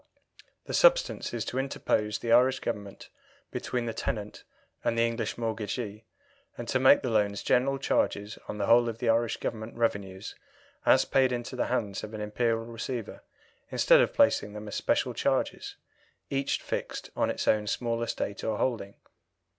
The substance is to interpose the Irish Government between the tenant and the English mortgagee, and to make the loans general charges on the whole of the Irish Government revenues as paid into the hands of an Imperial Receiver instead of placing them as special charges, each fixed on its own small estate or holding.